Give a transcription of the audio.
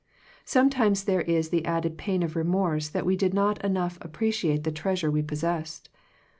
Sometimes there is the added pain of remorse that we did not enough ap preciate the treasure we possessed.